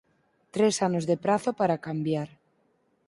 Tres anos de prazo para cambiar